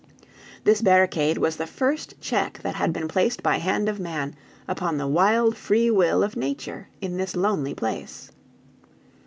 This barricade was the first check that had been placed by hand of man upon the wild free will of nature in this lonely place.